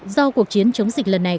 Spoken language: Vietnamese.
do cuộc chiến chống dịch lần này